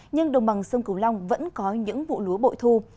nhưng đồng bằng sông cửu long vẫn có những vụ lúa bội thu